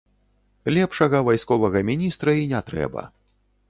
Лепшага вайсковага міністра і не трэба.